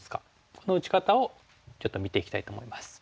この打ち方をちょっと見ていきたいと思います。